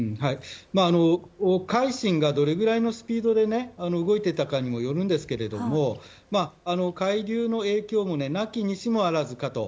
「海進」がどのくらいのスピードで動いていたかにもよるんですけど海流の影響も無きにしも非ずかと。